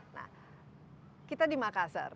nah kita di makassar